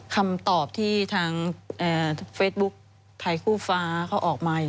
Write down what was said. คำตอบที่ทางเฟซบุ๊กไทยคู่ฟ้าเขาออกมาอย่างนี้